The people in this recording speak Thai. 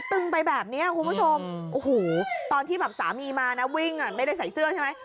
คุณผู้ชมโอ้โหตอนที่สามีมานะวิ่งอ่ะไม่ได้ใส่เสื้อใช่ไหม